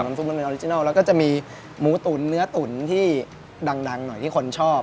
ซุปมันเป็นออริจินัลแล้วก็จะมีหมูตุ๋นเนื้อตุ๋นที่ดังหน่อยที่คนชอบ